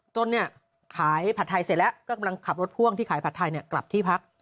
ขายผัดไทยเสร็จแล้วก็กำลังขับรถพ่วงที่ขายผัดไทยกลับที่พัก